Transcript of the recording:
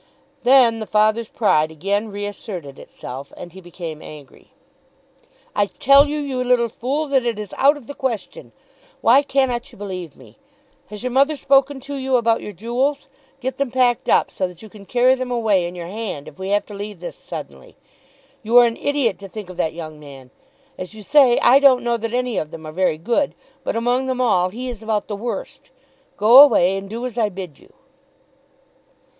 Then the father's pride again reasserted itself and he became angry. "I tell you, you little fool, that it is out of the question. Why cannot you believe me? Has your mother spoken to you about your jewels? Get them packed up, so that you can carry them away in your hand if we have to leave this suddenly. You are an idiot to think of that young man. As you say, I don't know that any of them are very good, but among them all he is about the worst. Go away and do as I bid you."